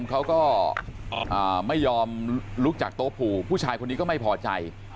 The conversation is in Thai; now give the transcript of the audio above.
เขาก็ไม่ยอมลุกจากโต๊ะผูผู้ชายคนนี้ก็ไม่พอใจ